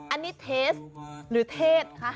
อันนี้เทสหรือเทศคะ